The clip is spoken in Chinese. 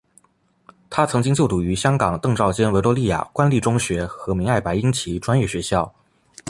他曾经就读于香港邓肇坚维多利亚官立中学和明爱白英奇专业学校。